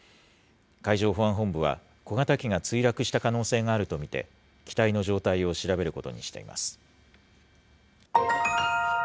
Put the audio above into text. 海上保安本部は、小型機が墜落した可能性があると見て機体の状態を調べることにしています。